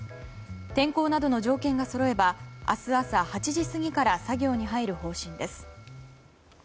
天候などの条件がそろえば明日朝８時過ぎから作業に入る方針です。